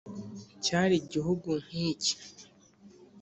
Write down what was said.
cyari gihugu nk’iki